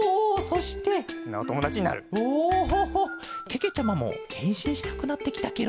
けけちゃまもへんしんしたくなってきたケロ。